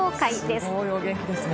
すごいお元気ですね。